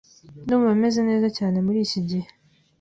Ndumva meze neza cyane muri iki gihe.